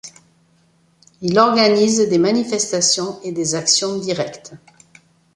Il organise des manifestations et des actions directes.